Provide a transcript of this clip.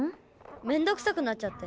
めんどくさくなっちゃって。